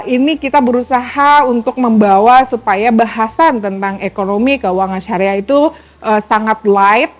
ini kita berusaha untuk membawa supaya bahasan tentang ekonomi keuangan syariah itu sangat light